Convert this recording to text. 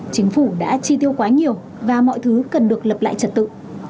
chính phủ đã chi tiêu quá nhiều và mọi thứ cần được lập lại trật tự